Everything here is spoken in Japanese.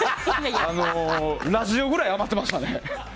ラジオぐらい余ってましたね。